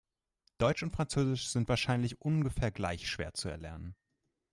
Deutsch und Französisch sind wahrscheinlich ungefähr gleich schwer zu erlernen.